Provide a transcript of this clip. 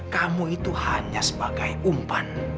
kamu itu hanya sebagai umpan